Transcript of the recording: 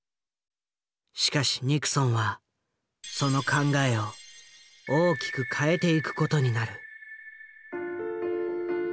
しかしニクソンはその考えを大きく変えていく事になる。